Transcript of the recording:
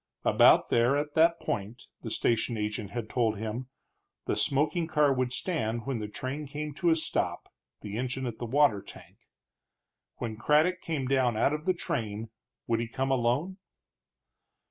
About there, at that point, the station agent had told him, the smoking car would stand when the train came to a stop, the engine at the water tank. When Craddock came down out of the train, would he come alone?